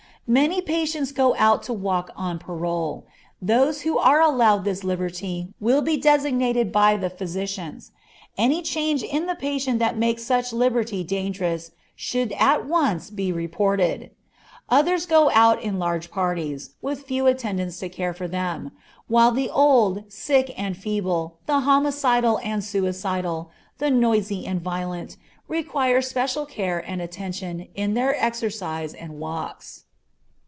Many patients go out to walk on parole. Those who are allowed this liberty will be designated by the physicians; any change in the patient that makes such liberty dangerous should at once be reported. Others go out in large parties, with few attendants to care for them, while the old, sick, and feeble, the homicidal and suicidal, the noisy and violent, require special care and attention in their exercise and walks.